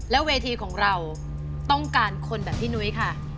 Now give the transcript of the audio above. เวทีของเราต้องการคนแบบพี่นุ้ยค่ะ